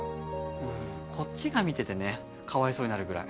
もうこっちが見ててねかわいそうになるぐらい。